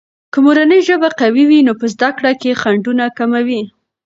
که مورنۍ ژبه قوية وي، نو په زده کړه کې خنډونه کم وي.